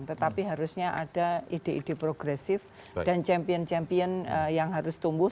tetapi harusnya ada ide ide progresif dan champion champion yang harus tumbuh